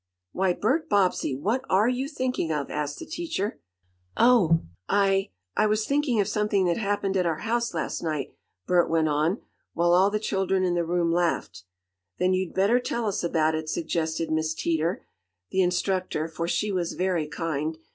"Why, Bert Bobbsey! What ARE you thinking of?" asked the teacher. "Oh, I I was thinking of something that happened at our house last night," Bert went on, while all the children in the room laughed. "Then you'd better tell us about it," suggested Miss Teeter, the instructor, for she was very kind.